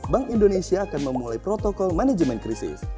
bank indonesia akan memulai protokol manajemen krisis